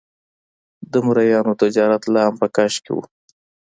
د مریانو تجارت لا هم په کش کې و.